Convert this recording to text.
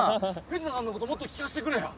藤田さんのこともっと聞かしてくれよ！